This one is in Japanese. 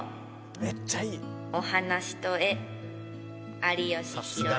「めっちゃいい」おはなしとえ有吉弘行。